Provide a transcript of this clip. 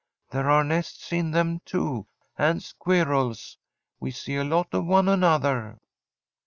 There are nests in them, too, and squirrels. We see a lot of one another.'